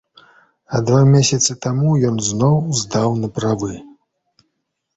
А два месяцы таму ён зноў здаў на правы.